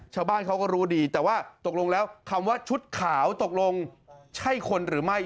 ชาวบ้านเขาก็รู้ดีแต่ว่าตกลงแล้วคำว่าชุดขาวตกลงใช่คนหรือไม่